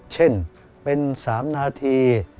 เช่นเป็น๓นาที